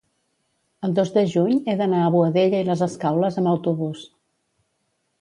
el dos de juny he d'anar a Boadella i les Escaules amb autobús.